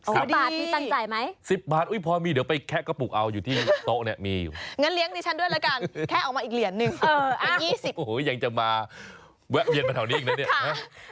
สิบบาทมีตันจ่ายไหมสิบบาทอุ๊ยพอมีเดี๋ยวไปแคะกระปุกเอาอยู่ที่โต๊ะเนี่ยมีอยู่